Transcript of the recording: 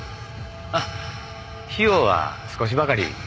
あっ費用は少しばかり。